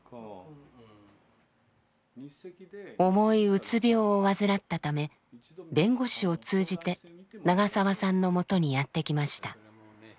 重いうつ病を患ったため弁護士を通じて長澤さんのもとにやって来ました。